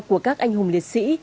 của các anh hùng liệt sĩ